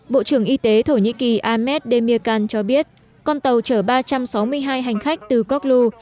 bộ trưởng y tế thổ nhĩ kỳ ahmed demirkan cho biết con tàu chở ba trăm sáu mươi hai hành khách từ koglu